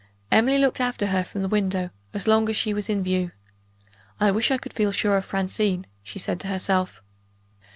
Emily looked after her from the window, as long as she was in view. "I wish I could feel sure of Francine!" she said to herself.